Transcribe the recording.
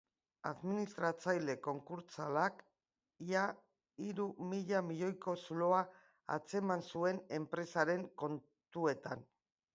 Administratzaile konkurtsalak ia hiru mila miloiko zuloa atzeman zuen enpresaren kontuetan.